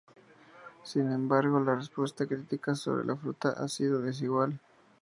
Sin embargo, la respuesta crítica sobre la fruta ha sido desigual.